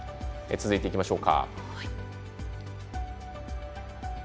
続いていきましょう。